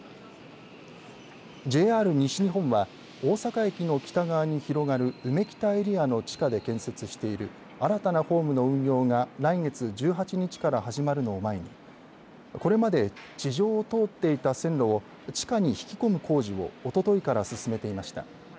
ＪＲ西日本は大阪駅の北側に広がるうめきたエリアの地下で建設している新たなホームの運用が来月１８日から始まるのを前にこれまで地上を通っていた線路を地下に引き込む工事をおとといから進めていました。